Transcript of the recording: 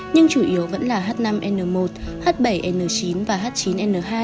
nhưng chủ yếu vẫn là h năm n một h bảy n chín và h chín n hai